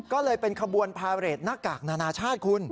ก็เลยเป็นขบวนพาเรทหน้ากากนานาชาติคุณ